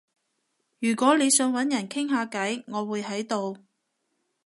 如果你想搵人傾下偈，我會喺度